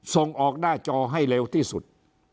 ส่งออกหน้าจอให้เร็วที่สุด